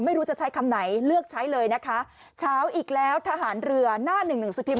ไม่รู้จะใช้คำไหนเลือกใช้เลยนะคะเช้าอีกแล้วทหารเรือหน้าหนึ่งหนังสือพิมพ์